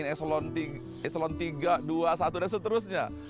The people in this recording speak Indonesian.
eselon tiga dua satu dan seterusnya